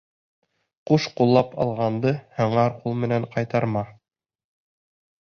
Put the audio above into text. Ҡуш ҡуллап алғанды һыңар ҡул менән ҡайтарма.